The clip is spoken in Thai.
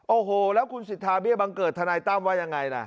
โอ้โหแล้วคุณสิทธาเบี้ยบังเกิดทนายตั้มว่ายังไงล่ะ